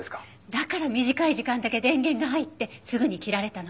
だから短い時間だけ電源が入ってすぐに切られたの。